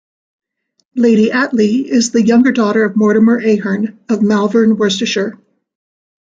Lady Attlee is the younger daughter of Mortimer Ahern, of Malvern, Worcestershire.